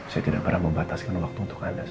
saya tidak pernah membataskan waktu untuk anda